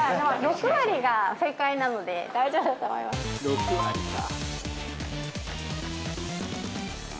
「６割か」